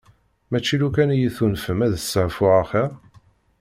Mačči lukan iyi-tunfem ad staɛfuɣ axir?